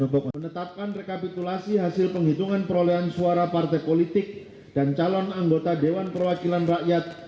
untuk menetapkan rekapitulasi hasil penghitungan perolehan suara partai politik dan calon anggota dewan perwakilan rakyat